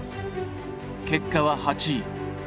結果は８位。